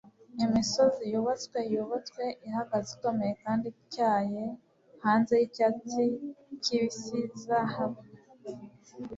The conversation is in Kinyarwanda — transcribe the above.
Imisozi yubatswe yubatswe ihagaze ikomeye kandi ityaye hanze yicyatsi kibisizahabu